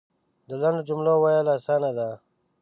د لنډو جملو ویل اسانه دی .